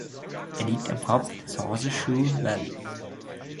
Er liegt am Kopf des Horseshoe Valley.